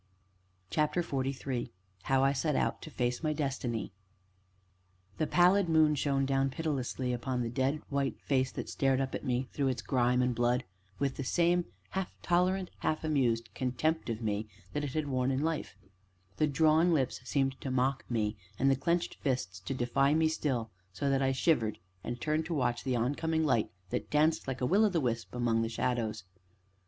CHAPTER XLIII HOW I SET OUT TO FACE MY DESTINY The pallid moon shone down pitilessly upon the dead, white face that stared up at me through its grime and blood, with the same half tolerant, half amused contempt of me that it had worn in life; the drawn lips seemed to mock me, and the clenched fists to defy me still; so that I shivered, and turned to watch the oncoming light that danced like a will o' the wisp among the shadows.